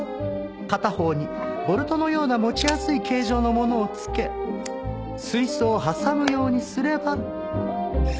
片方にボルトのような持ちやすい形状のものを付け水槽を挟むようにすれば。